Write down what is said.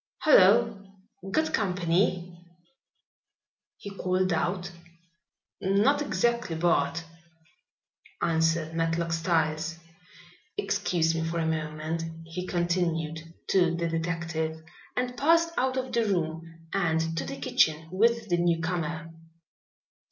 "Hullo! got company?" he called out. "Not exactly, Bart," answered Matlock Styles. "Excuse me for a moment," he continued, to the detective, and passed out of the room and to the kitchen with the newcomer.